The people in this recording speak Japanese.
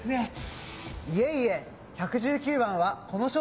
いえいえ！